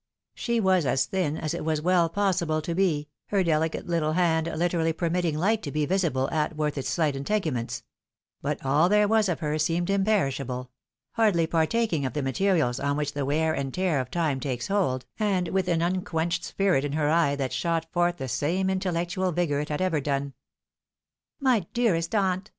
She was as thin as it was well possible to be, her dehcate little hand hterally permitting light to be visible athwart its sHght integuments ; but all there was of her seemed imperishable; hardly partaking of the materials on which the wear and tear of time takes hold, and with an un quenched spirit in her eye that shot forth the same intellectual vigour it had ever done. " My dearest aunt